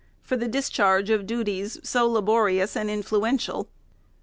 for the discharge of duties so laborious and influential.